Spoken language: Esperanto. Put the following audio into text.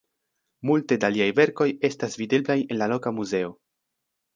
Multe da liaj verkoj estas videblaj en la loka muzeo.